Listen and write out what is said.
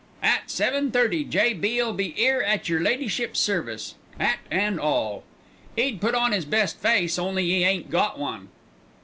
"At seven thirty J.B.'ll be 'ere at yer ladyship's service, 'at an' all. 'E'd put on 'is best face only 'e ain't got one.